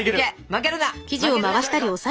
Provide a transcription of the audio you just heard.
負けるな！